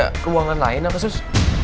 emangnya gak ada ruangan lain apa sus